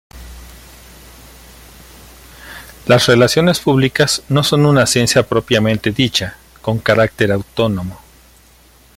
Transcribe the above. Las relaciones públicas no son una ciencia propiamente dicha, con carácter autónomo.